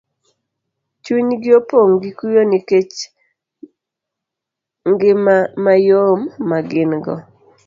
chunygi opong' gi kuyo nikech ngima mayom ma gin go.